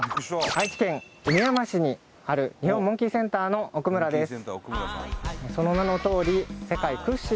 愛知県犬山市にある日本モンキーセンターの奥村です